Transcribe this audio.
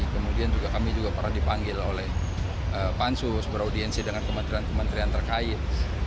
kemudian kami juga pernah dipanggil oleh pansus beraudiensi dengan kementerian kementerian terkait